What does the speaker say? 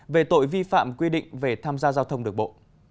về tội vi phạm quy định về tham gia giao thông được bộ